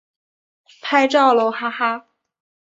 拍照喽哈哈